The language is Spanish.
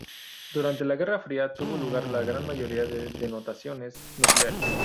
Durante la Guerra Fría tuvo lugar la gran mayoría de detonaciones nucleares.